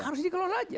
harus dikelola saja